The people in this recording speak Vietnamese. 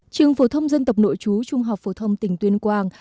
trường phổ thông dân tộc nội chú trung học phổ thông tỉnh tuyên quang